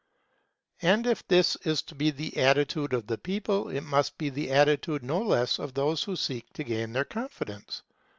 And if this is to be the attitude of the people, it must be the attitude no less of those who seek to gain their confidence.